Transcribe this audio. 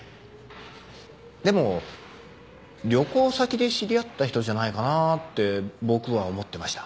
でも旅行先で知り合った人じゃないかなって僕は思ってました。